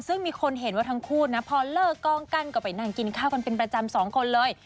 ซึ่งมีคนเห็นว่าทั้งคู่นะพอเลิกกล้องกันก็ไปนั่งกินข้าวกันเป็นประจำสองคนเลย